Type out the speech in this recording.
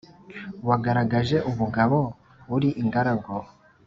wagaragaje ubugabo uri ingaragu